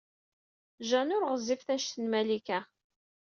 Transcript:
Jane ur ɣezzifet anect n Malika.